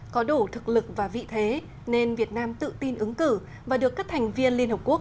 có đủ thực lực và vị thế nên việt nam tự tin ứng cử và được các thành viên liên hợp quốc